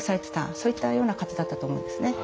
そういったような方だったと思うんですね。